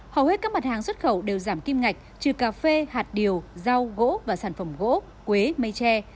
hầu hết các mặt hàng xuất khẩu đều giảm kim ngạch trừ cà phê hạt điều rau gỗ và sản phẩm gỗ quế mây tre